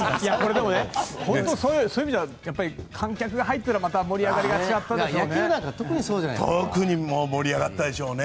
そういう意味では観客が入ってたらまた盛り上がりが違ったでしょうね。